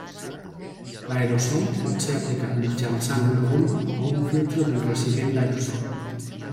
L'aerosol pot ser aplicat mitjançant una bomba o un filtre d'un recipient d'aerosol.